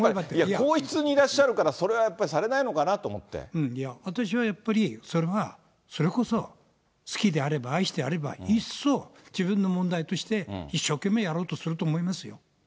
皇室にいらっしゃるから、それはやっぱりされないのかなと思いや、私はやっぱりそれはそれこそ、好きであれば、愛していれば、一層、自分の問題として一生懸命やろうとすると思いますよ。